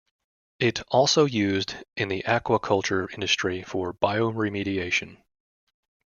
It also used in the aquaculture industry for bioremediation.